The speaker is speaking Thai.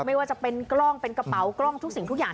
ไม่ว่าจะเป็นกล้องเป็นกระเป๋ากล้องทุกสิ่งทุกอย่าง